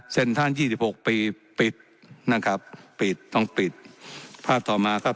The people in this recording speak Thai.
เซ็นทที่ยีดิบหกปีปิดนะครับต้องปิดภาพต่อมาครับ